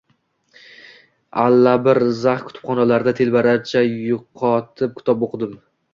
Allabir zax kutubxonalarda telbalarcha yutoqib kitob oʻqidim